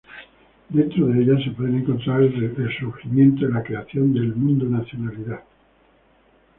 Dentro de ellas se puede encontrar el surgimiento de la creación del mundo, nacionalidad.